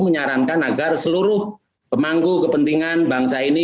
menyarankan agar seluruh pemangku kepentingan bangsa ini